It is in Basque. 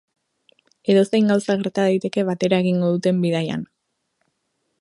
Edozein gauza gerta daiteke batera egingo duten bidaian.